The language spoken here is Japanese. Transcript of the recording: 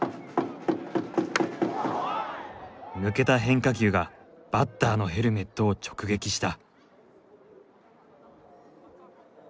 抜けた変化球がバッターのヘルメットを直撃した。